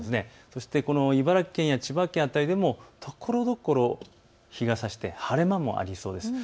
そして茨城県や千葉県辺りでもところどころ日がさして晴れ間もありそうです。